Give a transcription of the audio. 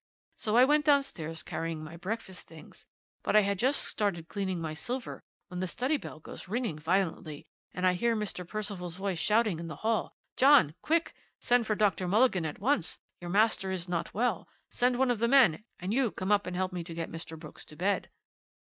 So I went downstairs carrying my breakfast things; but I had just started cleaning my silver when the study bell goes ringing violently, and I hear Mr. Percival's voice shouting in the hall: "John! quick! Send for Dr. Mulligan at once. Your master is not well! Send one of the men, and you come up and help me to get Mr. Brooks to bed."